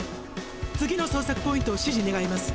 次の捜索ポイントを指示願います。